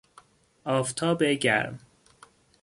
آفتاب گرم